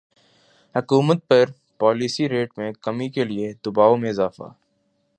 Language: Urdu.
حکومت پر پالیسی ریٹ میں کمی کے لیے دبائو میں اضافہ